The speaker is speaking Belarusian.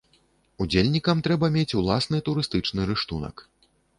Удзельнікам трэба мець уласны турыстычны рыштунак.